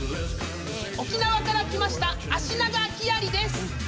沖縄から来ましたアシナガキアリです！